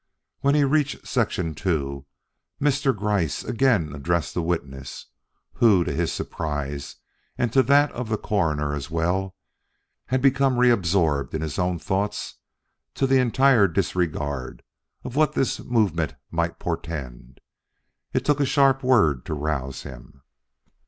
When he reached Section II, Mr. Gryce again addressed the witness, who, to his surprise and to that of the Coroner as well, had become reabsorbed in his own thoughts to the entire disregard of what this movement might portend. It took a sharp word to rouse him.